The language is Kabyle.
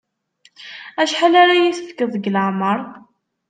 Acḥal ara yi-tefkeḍ deg leεmer?